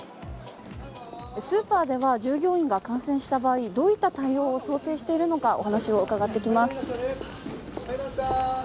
スーパーでは従業員が感染した場合、どういった対応を想定しているのかお話をうかがってきます。